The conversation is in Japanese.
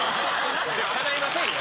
かないませんよ。